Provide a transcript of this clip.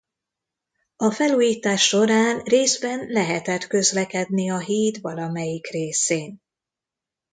A felújítás során részben lehetett közlekedni a híd valamelyik részén.